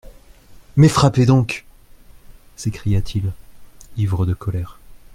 Mais frappez donc ! s'écria-t-il, ivre de colère.